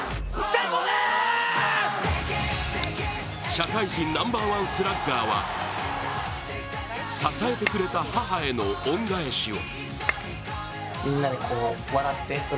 社会人ナンバーワンスラッガーは、支えてくれた母への恩返しを。